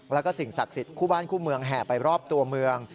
แล้วก็สิ่งศักดิ์สิทธิ์คู่บ้านคู่เมืองแห่ไปรอบตัวเมือง